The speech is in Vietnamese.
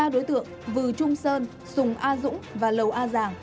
ba đối tượng vừ trung sơn sùng a dũng và lầu a giàng